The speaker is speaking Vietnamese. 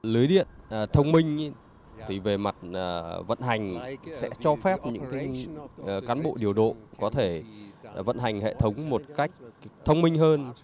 lưới điện thông minh thì về mặt vận hành sẽ cho phép những cán bộ điều độ có thể vận hành hệ thống một cách thông minh hơn